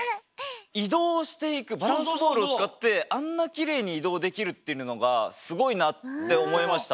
いどうしていくバランスボールをつかってあんなきれいにいどうできるっていうのがすごいなっておもいました。